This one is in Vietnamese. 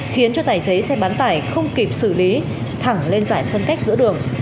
khiến cho tài xế xe bán tải không kịp xử lý thẳng lên giải phân cách giữa đường